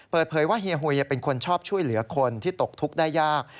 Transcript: เปิดเผยว่าเฮียหุยเป็นคนชอบช่วยเหลือคนที่ตกทุกข์ได้ยาก